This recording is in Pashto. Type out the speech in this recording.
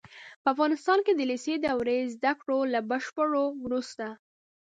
په افغانستان کې د لېسې دورې زده کړو له بشپړولو وروسته